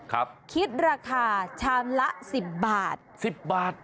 คิดราคาชามละสิบบาทสิบบาท